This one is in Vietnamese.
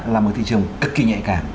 là một thị trường cực kỳ nhạy cảm